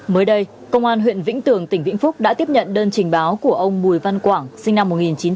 mới đây công an huyện vĩnh tường tỉnh vĩnh phúc đã tiếp nhận đơn trình báo của ông bùi văn quảng sinh năm một nghìn chín trăm tám mươi